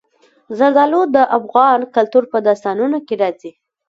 زردالو د افغان کلتور په داستانونو کې راځي.